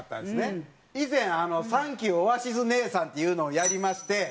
以前「３９オアシズ姐さん」っていうのをやりまして。